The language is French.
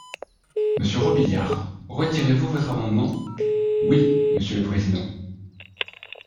Monsieur Robiliard, retirez-vous votre amendement ? Oui, monsieur le président.